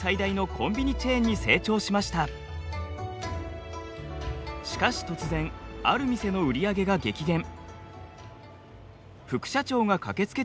しかし突然ある店の売り上げが激減。